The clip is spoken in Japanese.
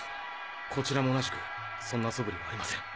こちらも同じくそんな素振りはありません。